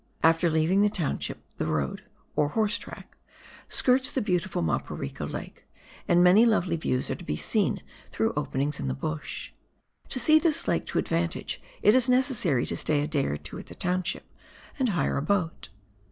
After leaving the township the road, or horse .track, skirts the beautiful Maporika Lake, and many lovely views are to be seen through openings in the bush. To see this lake to advantage it is necessary to stay a day or two at the township and hire a boat.